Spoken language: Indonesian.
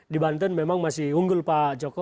di banten memang masih unggul pak joko